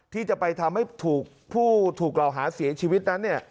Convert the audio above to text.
ที่จะไปทำให้ถูกผู้ถูกกล่าวหาเสียชีวิตนั้น